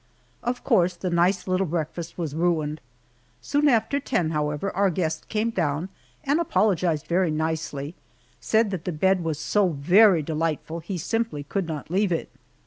Of course the nice little breakfast was ruined! Soon after ten, however, our guest came down and apologized very nicely said that the bed was so very delightful be simply could not leave it.